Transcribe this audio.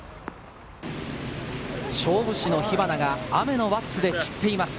勝負師の火花が雨の輪厚で散っています。